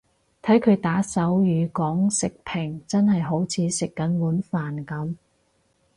睇佢打手語講食評真係好似食緊碗飯噉